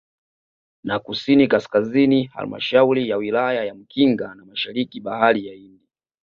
Na Kusini Kaskazini Halmashauri ya Wilaya ya Mkinga na Mashariki bahari ya Hindi